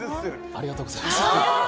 ありがとうございます。